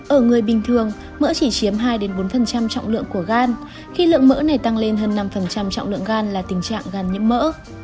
ở người bình thường mỡ chỉ chiếm hai bốn trọng lượng của gan khi lượng mỡ này tăng lên hơn năm trọng lượng gan là tình trạng gan nhiễm mỡ